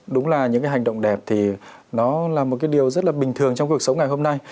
đúng là những cái hành động đẹp thì nó là một cái điều rất là bình thường trong cuộc sống ngày hôm nay